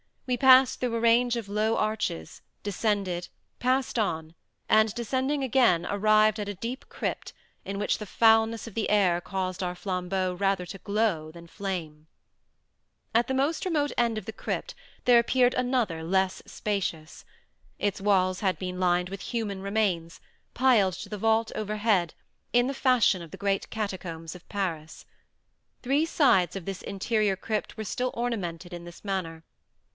We passed through a range of low arches, descended, passed on, and descending again, arrived at a deep crypt, in which the foulness of the air caused our flambeaux rather to glow than flame. At the most remote end of the crypt there appeared another less spacious. Its walls had been lined with human remains, piled to the vault overhead, in the fashion of the great catacombs of Paris. Three sides of this interior crypt were still ornamented in this manner.